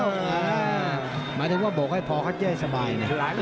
หมายถึงว่าโบกให้พอเขาเจ๊สบายนะ